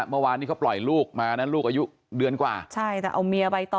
เมื่อวานนี้เขาปล่อยลูกมานะลูกอายุเดือนกว่าใช่แต่เอาเมียไปต่อ